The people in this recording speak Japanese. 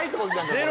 ゼロ！